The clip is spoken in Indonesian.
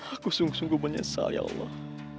aku sungguh sungguh menyesal ya allah